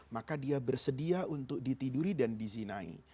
maka dia bersedia untuk ditiduri dan dizinai